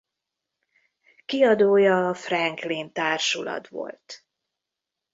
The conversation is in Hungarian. Kiadója a Franklin Társulat volt.